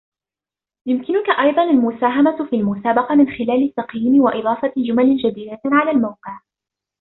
يمكنك ايضا المساهمة في المسابقة من خلال تقييم و اضافة جمل جديدة على الموقع: